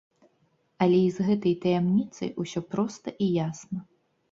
Але і з гэтай таямніцай усё проста і ясна.